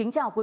chào các bạn